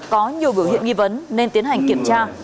có nhiều biểu hiện nghi vấn nên tiến hành kiểm tra